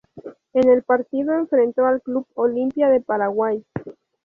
En el partido enfrentó al Club Olimpia de Paraguay.